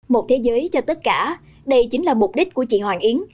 một thế giới cho tất cả đây chính là mục đích của chị hoàng yến